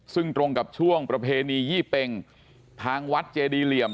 ซึ่งตรงกับช่วงประเพณียี่เป็งทางวัดเจดีเหลี่ยม